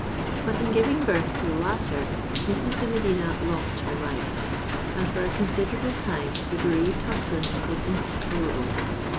But in giving birth to the latter, Mrs. de Medina lost her life; and for a considerable time the bereaved husband was inconsolable.